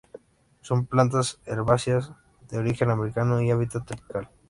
Son plantas herbáceas, de origen americano y hábitat tropical.